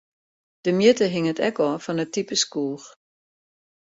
De mjitte hinget ek ôf fan it type skoech.